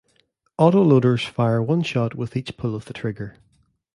Auto loaders fire one shot with each pull of the trigger.